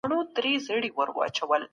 کور زده کړه به ګټه ورکړې وي.